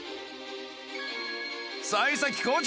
幸先好調！